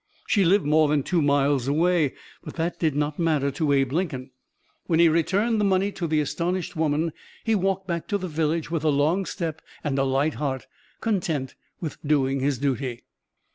She lived more than two miles away, but that did not matter to Abe Lincoln. When he had returned the money to the astonished woman he walked back to the village with a long step and a light heart, content with doing his duty.